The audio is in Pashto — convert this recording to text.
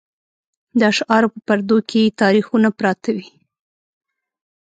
د اشعارو په پردو کې یې تاریخونه پراته وي.